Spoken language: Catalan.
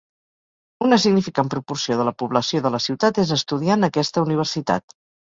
Una significant proporció de la població de la ciutat és estudiant a aquesta universitat.